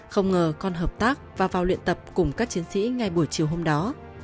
không ngờ con hợp tác và vào luyện tập cùng các chiến sĩ ngay buổi chiều hôm đó